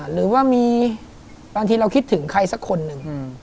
หรือว่ามีบางทีเราคิดถึงใครสักคนหนึ่ง